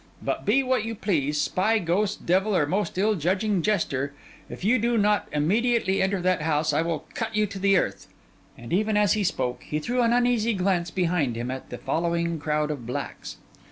But be what you please, spy, ghost, devil, or most ill judging jester, if you do not immediately enter that house, I will cut you to the earth.' And even as he spoke, he threw an uneasy glance behind him at the following crowd of blacks.